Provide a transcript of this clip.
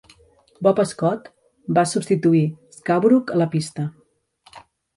Bob Scott va substituir Scarborough a la pista.